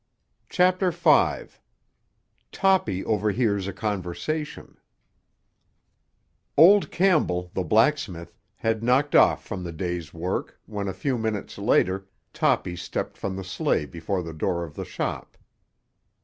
CHAPTER V—TOPPY OVERHEARS A CONVERSATION Old Campbell, the blacksmith, had knocked off from the day's work when, a few minutes later, Toppy stepped from the sleigh before the door of the shop.